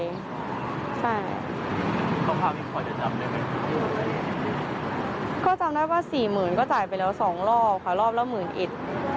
ก็จำได้ว่าสี่หมื่นก็จ่ายไปแล้วสองรอบขาดรอบละหมื่นเอ็ด